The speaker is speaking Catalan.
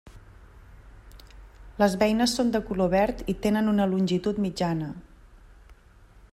Les beines són de color verd i tenen una longitud mitjana.